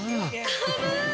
軽い！